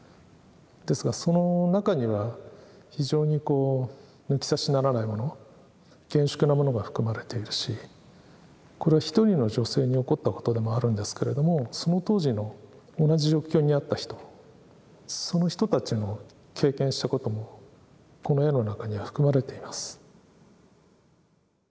ですがその中には非常にこう抜き差しならないもの厳粛なものが含まれているしこれは１人の女性に起こったことでもあるんですけれどもその当時の同じ状況にあった人その人たちの経験したこともこの絵の中には含まれています。